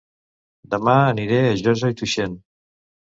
Dema aniré a Josa i Tuixén